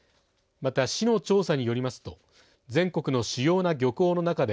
また、市の調査によりますと全国の主要な漁港の中で